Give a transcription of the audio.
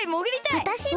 わたしも！